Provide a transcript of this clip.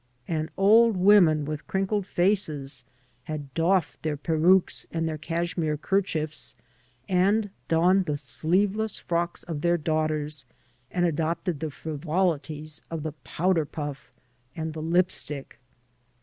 And old women with crinkled faces had doflfed their peruques and their cashmere kerchiefs and donned the sleeveless frocks of their daughters and adopted the frivolities of the powder puflF and the lip stick.